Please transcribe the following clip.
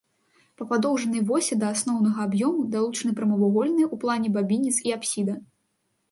Па падоўжанай восі да асноўнага аб'ёму далучаны прамавугольныя ў плане бабінец і апсіда.